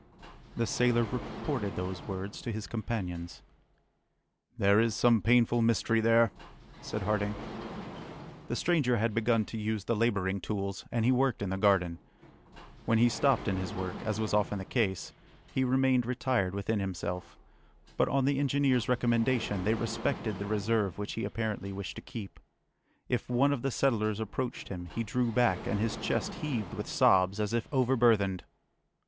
The sailor reported these words to his companions. "There is some painful mystery there!" said Harding. The stranger had begun to use the labouring tools, and he worked in the garden. When he stopped in his work, as was often the case, he remained retired within himself; but on the engineer's recommendation, they respected the reserve which he apparently wished to keep. If one of the settlers approached him, he drew back, and his chest heaved with sobs, as if overburthened!